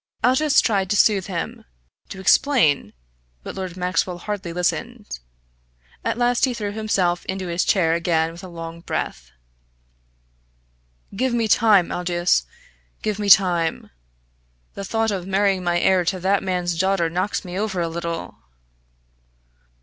Aldous tried to soothe him, to explain, but Lord Maxwell hardly listened. At last he threw himself into his chair again with a long breath. "Give me time, Aldous give me time. The thought of marrying my heir to that man's daughter knocks me over a little."